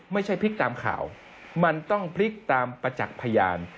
พลิกตามข่าวมันต้องพลิกตามประจักษ์พยาน